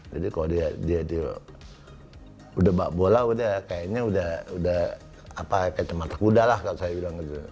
jadi kalau dia sudah mbak bola kayaknya sudah matak udahlah kalau saya bilang gitu